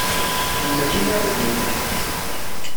Ḥemmel inaragen-nnek.